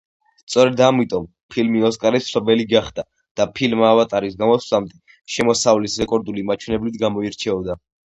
სწორედ ამიტომ, ფილმი ოსკარის მფლობელი გახდა და ფილმ „ავატარის“ გამოსვლამდე შემოსავლის რეკორდული მაჩვენებლით გამოირჩეოდა.